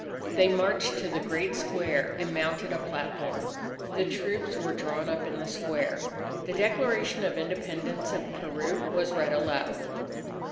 They marched to the great square, and mounted a platform. The troops were drawn up in the square. The Declaration of Independence of Peru was read aloud.